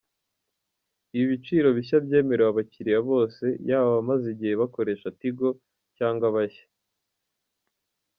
Ibi biciro bishya byemerewe abakiriya bose, yaba abamaze igihe bakoresha Tigo cyangwa abashya.